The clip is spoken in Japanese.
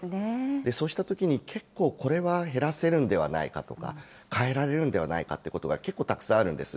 そうしたときに結構、これは減らせるんではないかとか、変えられるんではないかということが結構たくさんあるんです。